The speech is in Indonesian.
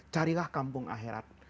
carilah kampung akhirat